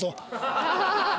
ハハハハ！